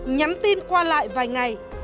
nhắn tin qua lại vài ngày